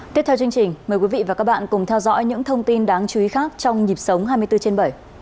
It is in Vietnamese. tiếp theo chương trình mời quý vị và các bạn cùng theo dõi những thông tin đáng chú ý khác trong nhịp sống hai mươi bốn trên bảy